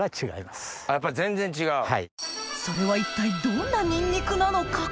それは一体どんなニンニクなのか？